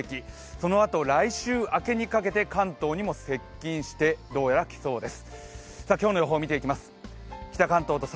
そのあと来週明けにかけて関東にも接近してきそうです。